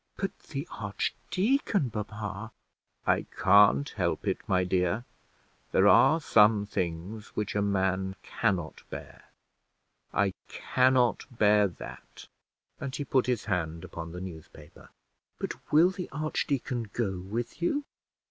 "But the archdeacon, papa?" "I can't help it, my dear; there are some things which a man cannot bear: I cannot bear that;" and he put his hand upon the newspaper. "But will the archdeacon go with you?"